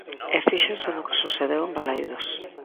E fíxense no que sucedeu en Balaídos.